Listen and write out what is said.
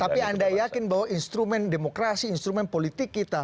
tapi anda yakin bahwa instrumen demokrasi instrumen politik kita